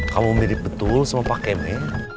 kamu milih betul sama pak keme